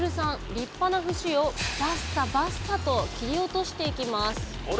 立派な節をバッサバッサと切り落としていきます。